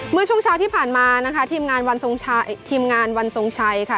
เมื่อช่วงเช้าที่ผ่านมานะคะทีมงานวันทีมงานวันทรงชัยค่ะ